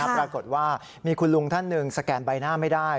ปรากฏว่ามีคุณลุงท่านหนึ่งสแกนใบหน้าไม่ได้